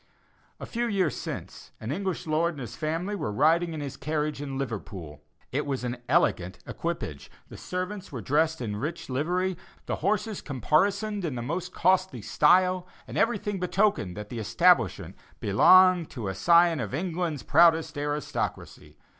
A few years since, an English lord and his family were riding in his carriage in Liverpool. It was an elegant equipage; the servants were dressed in rich livery; the horses caparisoned in the most costly style; and everything betokened that the establishment belonged to a scion of England's proudest aristocracy.